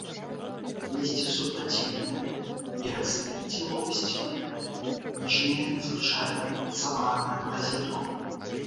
Лісце супраціўнае, перыстае ці лопасцевае, ніжняе звычайна сабранае ў разетку.